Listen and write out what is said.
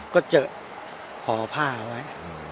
ก็เจอห่อผ้าไว้